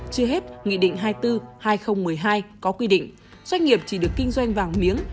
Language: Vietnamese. chưa hết nghị định hai mươi bốn hai nghìn một mươi hai có quy định doanh nghiệp chỉ được kinh doanh vàng miếng